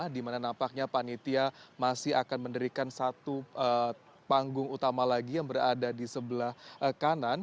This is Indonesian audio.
di mana nampaknya panitia masih akan menderikan satu panggung utama lagi yang berada di sebelah kanan